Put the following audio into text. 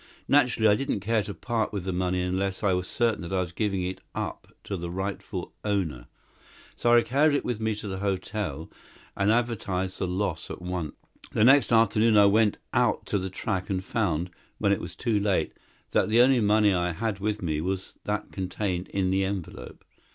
Naturally, I didn't care to part with the money unless I was certain that I was giving it up to the rightful owner, so I carried it with me to the hotel and advertised the loss at once. "The next afternoon I went out to the track and found, when it was too late, that the only money I had with me was that contained in the envelope.